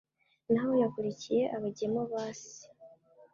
naho yakurikiye abagemu ba se